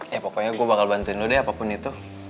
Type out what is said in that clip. ya pokoknya gue bakal bantuin lo deh apapun itu